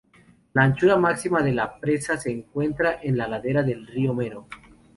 La anchura máxima de la presa se encuentra en la ladera del río Mero.